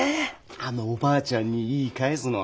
あのおばあちゃんに言い返すのは。